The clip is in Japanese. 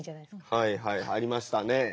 はいはいありましたね。